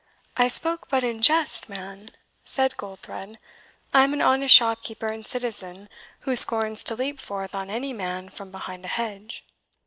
"I spoke but in jest, man," said Goldthred; "I am an honest shopkeeper and citizen, who scorns to leap forth on any man from behind a hedge."